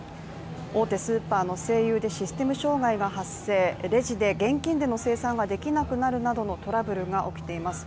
大手スーパーの西友でシステム障害が発生、レジで現金での精算ができなくなるなどのトラブルが起きています